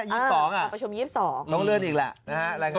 ล้องเลือดอีกแล้วนะฮะรายงานของเขาบอกน้องเลือดอีก